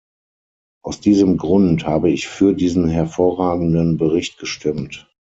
Aus diesem Grund habe ich für diesen hervorragenden Bericht gestimmt.